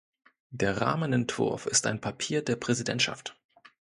Der Rahmenentwurf ist ein Papier der Präsidentschaft.